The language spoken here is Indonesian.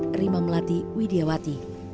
ibu rima melatih widiawati